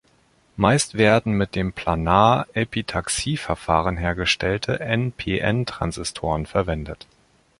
Meist werden mit dem Planar-Epitaxie-Verfahren hergestellte npn-Transistoren verwendet.